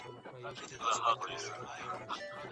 نوشابې څښل څه زیان لري؟